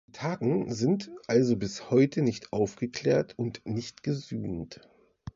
Die Taten sind also bis heute nicht aufgeklärt und nicht gesühnt.